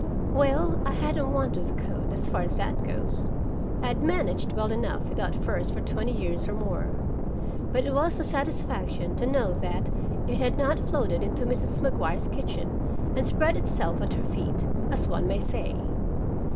Well, I hadn't wanted the coat, as far as that goes; I'd managed well enough without furs for twenty years or more. But it was a satisfaction to know that it had not floated into Mrs. Maguire's kitchen and spread itself at her feet, as one may say.